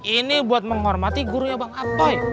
ini buat menghormati gurunya bang abai